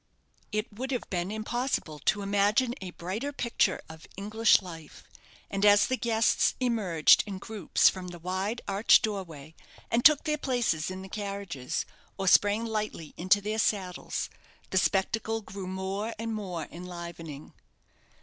It would have been impossible to imagine a brighter picture of English life; and as the guests emerged in groups from the wide, arched doorway, and took their places in the carriages, or sprang lightly into their saddles, the spectacle grew more and more enlivening.